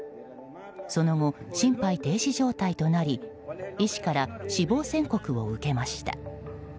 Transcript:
その後、心肺停止状態となり医師から死亡宣告を受けました。